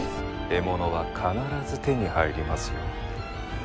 獲物は必ず手に入りますよ。